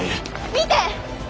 見て！